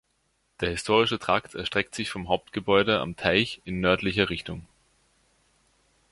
Der historische Trakt erstreckt sich vom Hauptgebäude am Teich in nördlicher Richtung.